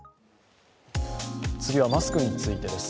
次はマスクについてです。